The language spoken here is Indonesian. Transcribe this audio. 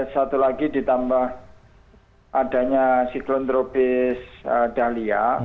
satu lagi ditambah adanya siklon tropis dahlia